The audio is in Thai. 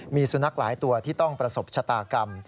มีสุนัขหลายตัวที่ต้องประสบชะตากรรม